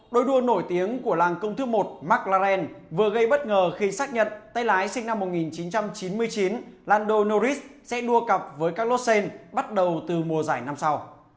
đôi đua nổi tiếng của làng công thức một mclaren vừa gây bất ngờ khi xác nhận tay lái sinh năm một nghìn chín trăm chín mươi chín lando noris sẽ đua cặp với các lô sen bắt đầu từ mùa giải năm sau